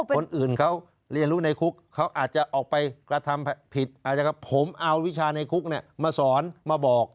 คนอื่นเขาเรียนรู้ในคุกเขาอาจจะออกไปกระทำผิดอาจจะผมเอาวิชาในคุกมาสอนมาบอก